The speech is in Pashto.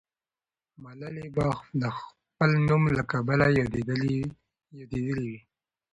ملالۍ به د خپل نوم له کبله یادېدلې وي.